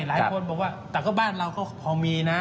หลายคนบอกว่าแต่ก็บ้านเราก็พอมีนะ